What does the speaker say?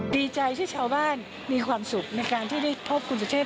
ดีใจที่ชาวบ้านมีความสุขในการที่ได้พบคุณสุเทพ